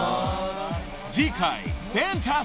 ［次回］